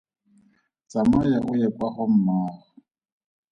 Tsamaya o ye kwa go mmaago.